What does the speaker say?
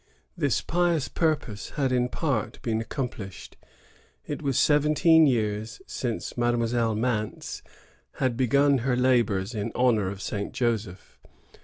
This pious pur pose had in part been accomplished. It was seven teen years since Mademoiselle Mance had begun her labors in honor of Saint Joseph.